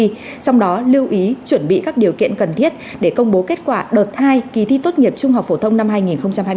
trong đó lưu ý chuẩn bị các điều kiện cần thiết để công bố kết quả đợt hai kỳ thi tốt nghiệp trung học phổ thông năm hai nghìn hai mươi một từ một mươi ba h ngày hôm nay một mươi sáu tháng tám